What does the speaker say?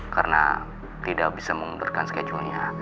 karena tidak bisa mengundurkan schedule nya